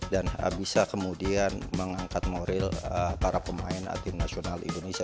bisa kemudian mengangkat moral para pemain tim nasional indonesia